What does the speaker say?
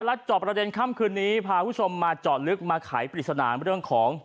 และจอบประเด็นค่ำคืนนี้พาคุณผู้ชมมาเจาะลึกมาไขปริศนาเรื่องของ